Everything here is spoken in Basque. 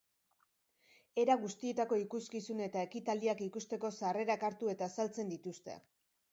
Era guztietako ikuskizun eta ekitaldiak ikusteko sarrerak hartu eta saltzen dituzte.